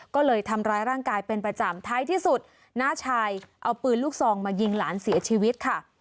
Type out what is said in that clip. ก็เลยทำร้ายร่างกายเป็นประจำท้ายที่สุดน้าชายเอาปืนลูกซองมายิงหลานเสียชีวิตค่ะ